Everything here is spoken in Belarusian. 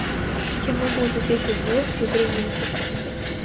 Яму будзе дзесяць год і тры месяцы.